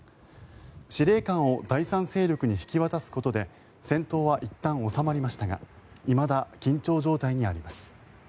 司令官を第三勢力に引き渡すことで戦闘はいったん収まりましたがいまだ緊張状態にあります。